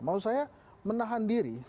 mau saya menahan diri